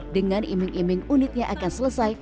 dengan iming iming unitnya akan selesai